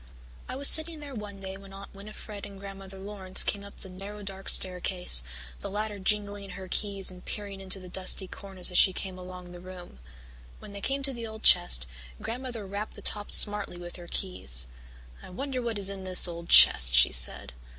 I was sitting there one day when Aunt Winnifred and Grandmother Laurance came up the narrow dark staircase, the latter jingling her keys and peering into the dusty corners as she came along the room. When they came to the old chest, Grandmother rapped the top smartly with her keys. "I wonder what is in this old chest," she said.